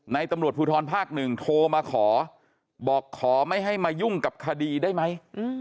ตำรวจภูทรภาคหนึ่งโทรมาขอบอกขอไม่ให้มายุ่งกับคดีได้ไหม